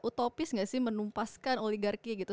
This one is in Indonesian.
utopis gak sih menumpaskan oligarki gitu